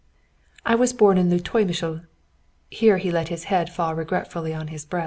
"I was born in Leutomischl" here he let his head fall regretfully on his breast.